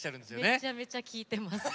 めちゃめちゃ聴いてます。